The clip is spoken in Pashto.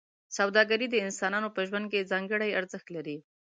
سوداګري د انسانانو په ژوند کې ځانګړی ارزښت لري.